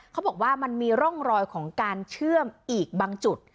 เขาบอกว่ามันมีร่องรอยของการเชื่อมอีกบางจุด